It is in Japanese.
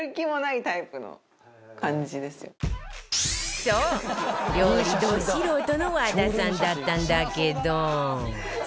そう料理ド素人の和田さんだったんだけど